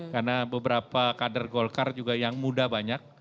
karena beberapa kader golkar juga yang muda banyak